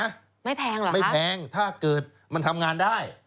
ไม่แพงเหรอไม่แพงถ้าเกิดมันทำงานได้